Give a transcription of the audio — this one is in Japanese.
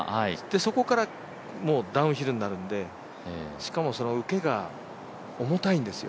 そこからダウンヒルになるんで、しかも受けが重たいんですよ。